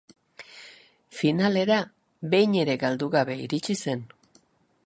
Finalera behin ere galdu gabe iritsi zen.